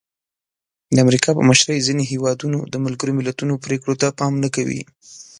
د امریکا په مشرۍ ځینې هېوادونه د ملګرو ملتونو پرېکړو ته پام نه کوي.